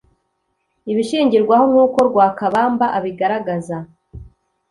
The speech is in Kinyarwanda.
Ibishingirwaho nk’uko Lwakabamba abigaragaza